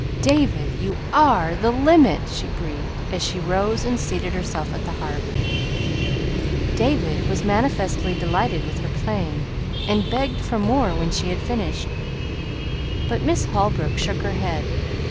"David, you are the the LIMIT!" she breathed, as she rose and seated herself at the harp. David was manifestly delighted with her playing, and begged for more when she had finished; but Miss Holbrook shook her head.